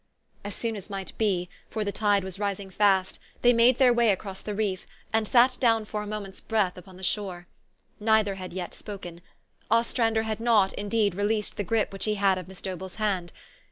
As soon as might be, for the tide was rising fast, they made their way across the reef, and sat down for a moment's breath upon the shore. Neither had yet spoken. Ostrander had not, indeed, released the grip which he had of Miss Dobell's hand.